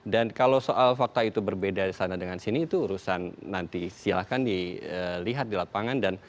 dan kalau soal fakta itu berbeda sana dengan sini itu urusan nanti silahkan dilihat di lapangan